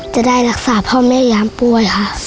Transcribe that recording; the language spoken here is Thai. จะได้รักษาพ่อแม่ยามป่วยค่ะ